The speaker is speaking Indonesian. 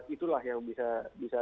itulah yang bisa